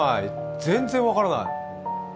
全然分からない。